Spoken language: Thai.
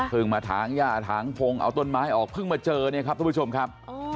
มาถางย่าถางพงเอาต้นไม้ออกเพิ่งมาเจอเนี่ยครับทุกผู้ชมครับ